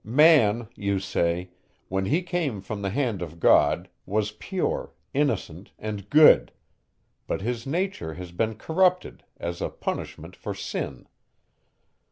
"Man," you say, "when he came from the hand of God, was pure, innocent, and good; but his nature has been corrupted, as a punishment for sin."